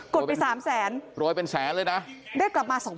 ๒๙๐๐กดไป๓แสนโปรยเป็นแสนเลยนะได้กลับมา๒๙๐๐